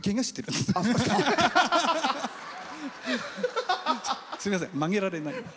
すいません、曲げられない。